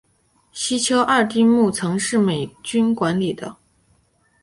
西丘二丁目曾是美军管理的。